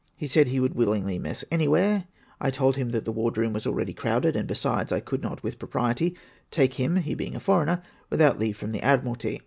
He said he would willingly mess anywhere ; I told him that the ward room was already crowded, and besides, I could not, with propriety, take him, he being a foreigner, without leave from the Admiralty.